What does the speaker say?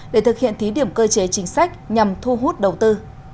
để thực hiện thí điểm cơ chế chính sách nhằm thu hút đầu tư